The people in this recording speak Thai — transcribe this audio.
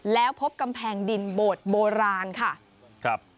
แล้วพบกำแพงดินโบราณครับ